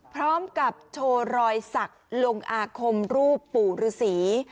พร้อมกับโชว์รอยสักลงอาคมรูปปู่ฤษี